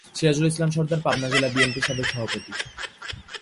সিরাজুল ইসলাম সরদার পাবনা জেলা বিএনপির সাবেক সভাপতি।